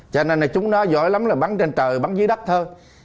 cho nên là chúng nó giỏi lắm là bắn trên tờ bắn dưới đất thôi